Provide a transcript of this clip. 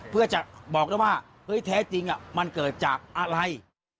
เพื่อจะบอกได้ว่าเฮ้ยแท้จริงมันเกิดจากอะไร